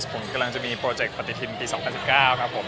ผมกำลังจะมีโปรเจคปฏิทินปี๒๐๑๙ครับผม